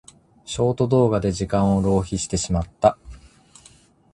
ショート動画で時間を浪費してしまった。